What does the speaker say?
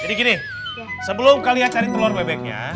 jadi gini sebelum kalian cari telur bebeknya